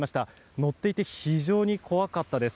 乗っていて非常に怖かったです。